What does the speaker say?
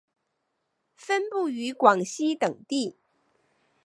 分布于广西等地。